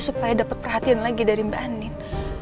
supaya dapat perhatian lagi dari mbak andin